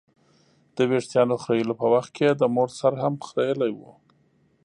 د ویښتانو خریلو په وخت یې د مور سر هم خرېیلی و.